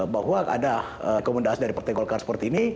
bahwa ada rekomendasi dari partai golongan karya seperti ini